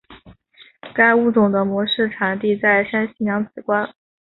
该物种的模式产地在山西娘子关。